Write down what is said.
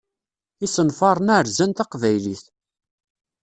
Isenfaṛen-a rzan Taqbaylit.